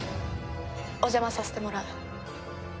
お邪魔させてもらう。